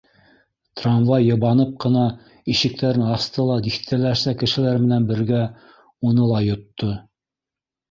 Трамвай йыбанып ҡына ишектәрен асты ла тиҫтәләрсә кешеләр менән бергә уны ла йотто.